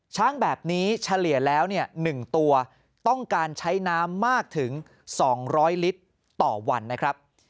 ช้างแบบนี้เฉลี่ยแล้ว๑ตัวต้องการใช้น้ำมากถึง๒๐๐ลิตรต่อวันนะครับ